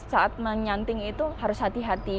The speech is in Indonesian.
saat menyanting itu harus hati hati